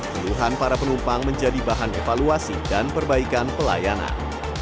keluhan para penumpang menjadi bahan evaluasi dan perbaikan pelayanan